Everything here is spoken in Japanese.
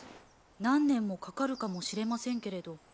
何年もかかるかもしれませんけれど。